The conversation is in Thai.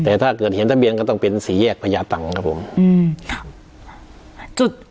แต่ถ้าเกิดเห็นทะเบียนก็ต้องเป็นสี่แยกพญาตังครับผมอืมครับ